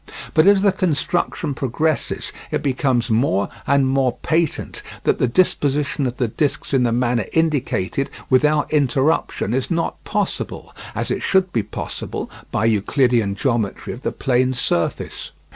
But as the construction progresses it becomes more and more patent that the disposition of the discs in the manner indicated, without interruption, is not possible, as it should be possible by Euclidean geometry of the the plane surface.